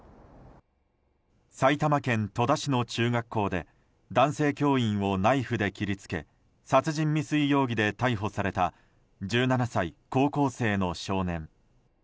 埼玉県戸田市の中学校で男性教員をナイフで切りつけ殺人未遂容疑で逮捕された１７歳、高校生の少年。